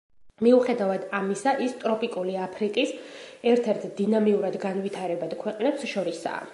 მოუხედავად ამისა, ის ტროპიკული აფრიკის ერთ-ერთ დინამიურად განვითარებად ქვეყნებს შორისაა.